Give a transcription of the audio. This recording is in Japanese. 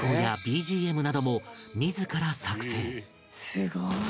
「すごい！」